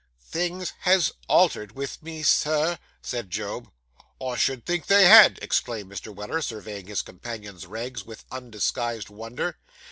'Things has altered with me, sir,' said Job. 'I should think they had,' exclaimed Mr. Weller, surveying his companion's rags with undisguised wonder.